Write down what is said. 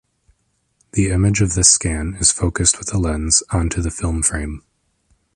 The image of this scan is focused with a lens onto the film frame.